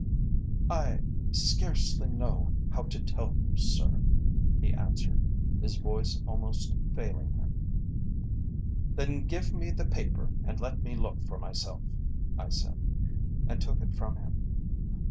"I scarcely know how to tell you, sir," he answered, his voice almost failing him. "Then give me the paper and let me look for myself," I said, and took it from him.